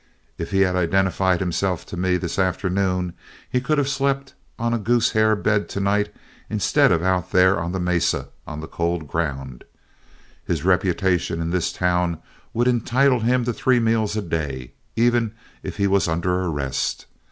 If he had identified himself to me this afternoon, he could have slept on a goose hair bed to night instead of out there on the mesa, on the cold ground. His reputation in this town would entitle him to three meals a day, even if he was under arrest.